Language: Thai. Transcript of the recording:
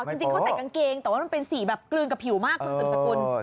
จริงเขาใส่กางเกงแต่ว่ามันเป็นสีแบบกลืนกับผิวมากคุณสืบสกุล